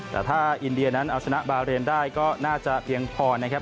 แต่ถ้าอินเดียนั้นเอาชนะบาเรนได้ก็น่าจะเพียงพอนะครับ